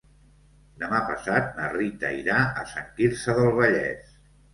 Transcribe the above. Demà passat na Rita irà a Sant Quirze del Vallès.